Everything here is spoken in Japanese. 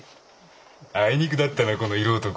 あいにくだったなこの色男。